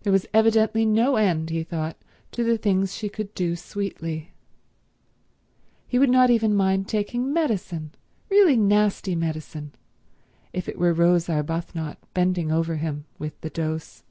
There was evidently no end, he thought, to the things she could do sweetly. He would even not mind taking medicine, really nasty medicine, if it were Rose Arbuthnot bending over him with the dose.